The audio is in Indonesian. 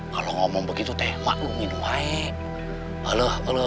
kalau ngomong begitu teh makluminu mae